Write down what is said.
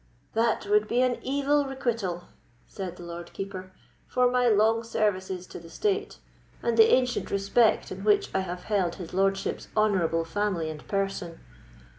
"That would be an evil requital," said the Lord Keeper, "for my long services to the state, and the ancient respect in which I have held his lordship's honourable family and person."